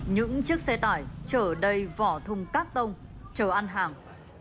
những chiếc xe tải chở đầy vỏ thùng các tông chở ăn hàng